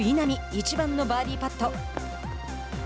１番のバーディーパット。